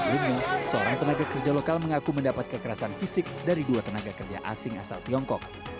ini seorang tenaga kerja lokal mengaku mendapat kekerasan fisik dari dua tenaga kerja asing asal tiongkok